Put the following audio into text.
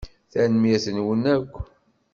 Tanemmirt-nwen akk.